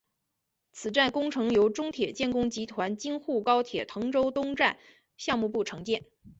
此站工程由中铁建工集团京沪高铁滕州东站项目部承建。